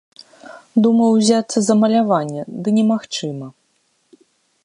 Думаў узяцца за маляванне, ды немагчыма.